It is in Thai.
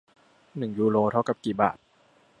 หนึ่งยูโรเท่ากับกี่บาท